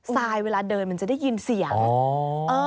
ทรายเวลาเดินมันจะได้ยินเสียง